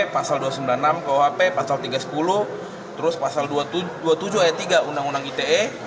pasal lima puluh enam kuhp pasal dua ratus sembilan puluh enam kuhp pasal tiga ratus sepuluh terus pasal dua puluh tujuh e tiga undang undang ite